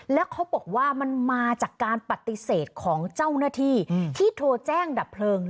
แล้วเขาบอกว่ามันมาจากการปฏิเสธของเจ้าหน้าที่ที่โทรแจ้งดับเพลิง